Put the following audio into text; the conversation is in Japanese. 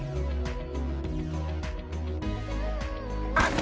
あっ！